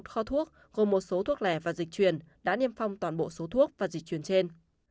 một kho thuốc gồm một số thuốc lẻ và dịch truyền đã niêm phong toàn bộ số thuốc và dịch truyền trên